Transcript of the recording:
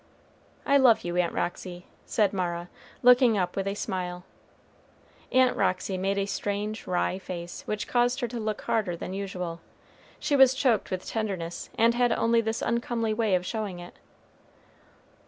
"I love you, Aunt Roxy," said Mara, looking up with a smile. Aunt Roxy made a strange wry face, which caused her to look harder than usual. She was choked with tenderness, and had only this uncomely way of showing it.